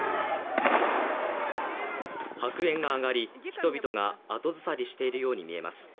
白煙が上がり、人々が後ずさりしているように見えます。